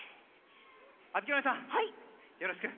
あづきおねえさんよろしく。